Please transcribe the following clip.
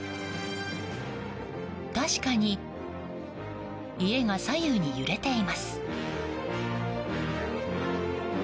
確かに家が左右に揺れています。